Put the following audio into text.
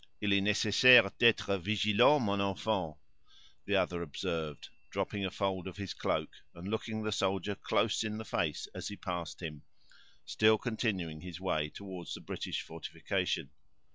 "Il est necessaire d'être vigilant, mon enfant," the other observed, dropping a fold of his cloak, and looking the soldier close in the face as he passed him, still continuing his way toward the British fortification.